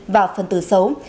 và phần từ xấu